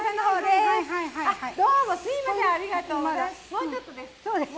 もうちょっとです。